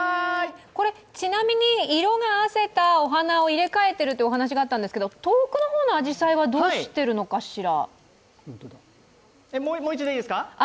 これ、ちなみに色があせたお花を入れ替えてるってお話があったんですけど遠くの方のあじさいはどうしているのかしら？